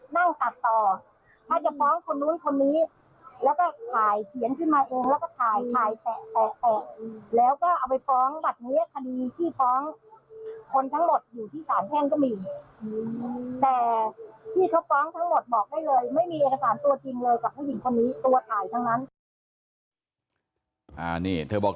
มีคลิปวงจรปิดด้วยว่านั่งตัดต่อ